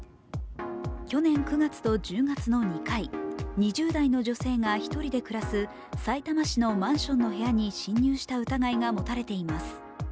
去年９月と１０月の２回、２０代の女性が１人で暮らすさいたま市のマンションの部屋に侵入した疑いが持たれています。